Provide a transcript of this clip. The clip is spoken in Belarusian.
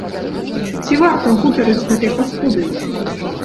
Ці варта гутарыць з гэткай паскудай?